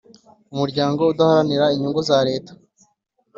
umuryango udaharanira inyungu zareta